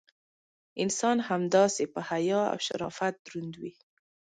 انسان همداسې: په حیا او شرافت دروند وي.